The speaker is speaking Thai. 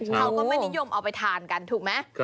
เขาก็ไม่นิยมเอาไปทานกันถูกไหม